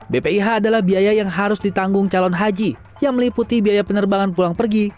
bpih adalah biaya yang harus ditanggung calon haji yang meliputi biaya penerbangan pulang pergi